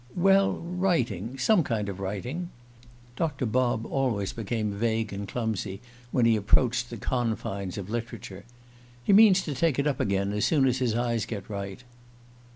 "Well, writing. Some kind of writing." Doctor Bob always became vague and clumsy when he approached the confines of literature. "He means to take it up again as soon as his eyes get right."